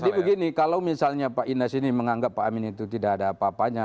jadi begini kalau misalnya pak ines ini menganggap pak amin itu tidak ada apa apanya